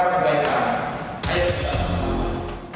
tetap bergantian kebaikan